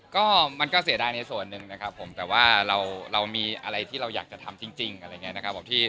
ก็มันก็เสียดายในส่วนหนึ่งนะครับผมแต่ว่าเรามีอะไรที่เราอยากจะทำจริงอะไรอย่างนี้นะครับผม